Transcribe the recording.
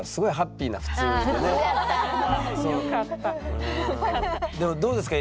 なんかでもどうですか？